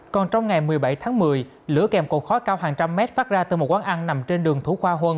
còn trong ngày một mươi bảy tháng một mươi lửa kèm cột khói cao hàng trăm mét phát ra từ một quán ăn nằm trên đường thủ khoa huân